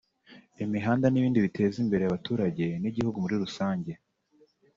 imihanda n’ibindi biteza imbere abaturage n’igihugu muri rusange